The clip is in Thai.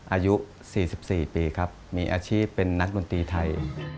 อายุ๔๔ปีครับมีอาชีพเป็นนักดนตรีไทย